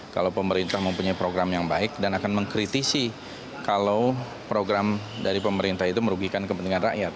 kalau pemerintah mempunyai program yang baik dan akan mengkritisi kalau program dari pemerintah itu merugikan kepentingan rakyat